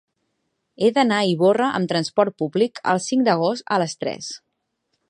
He d'anar a Ivorra amb trasport públic el cinc d'agost a les tres.